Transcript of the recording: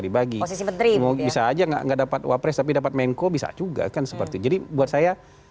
dibagi jadi menteri bisa aja enggak dapat wapres tapi dapat menko bisa juga kan seperti jadi buat saya